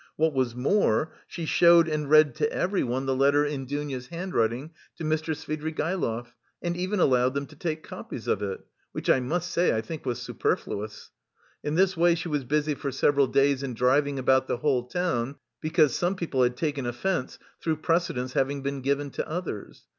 What was more, she showed and read to everyone the letter in Dounia's own handwriting to Mr. Svidrigaïlov and even allowed them to take copies of it which I must say I think was superfluous. In this way she was busy for several days in driving about the whole town, because some people had taken offence through precedence having been given to others.